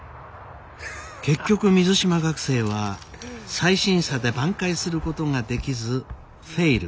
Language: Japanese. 結局水島学生は再審査で挽回することができずフェイル